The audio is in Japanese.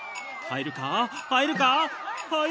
入るか？